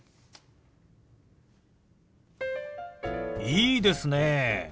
いいですね。